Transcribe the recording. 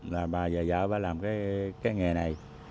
là bà vợ vợ bà làm cái nghề này